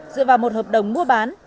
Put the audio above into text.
dựa vào một hợp đồng mua bán